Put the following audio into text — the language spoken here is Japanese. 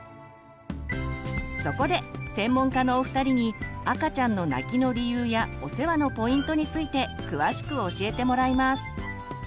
そこで専門家のお二人に赤ちゃんの泣きの理由やお世話のポイントについて詳しく教えてもらいます。